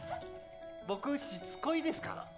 僕しつこいですか？